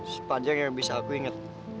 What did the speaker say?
sepanjang yang bisa aku ingat